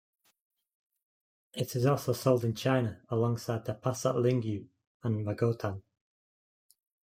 It is also sold in China alongside the Passat Lingyu and Magotan.